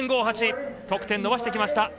得点伸ばしてきました